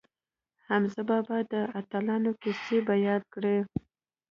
حمزه بابا د اتلانو کیسې بیان کړې.